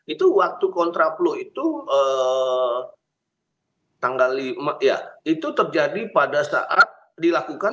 itu waktu kontraplu itu terjadi pada saat dilakukan